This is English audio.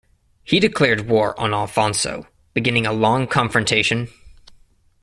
He declared war on Alfonso, beginning a long confrontation.